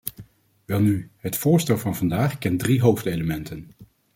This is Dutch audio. Welnu, het voorstel van vandaag kent drie hoofdelementen.